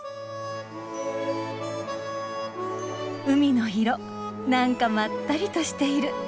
海の色なんかまったりとしている。